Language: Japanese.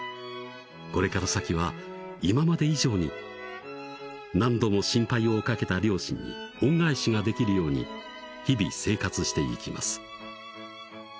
「これから先は今まで以上に何度も心配をかけた両親に恩返しが出来る様に日々生活していきます」